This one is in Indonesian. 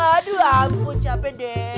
aduh ampun capek deh